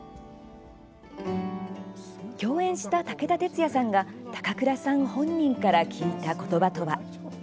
共演した武田鉄矢さんが高倉さん本人から聞いた言葉とは。